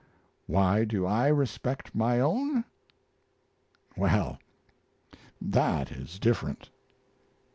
Why do I respect my own? Well that is different.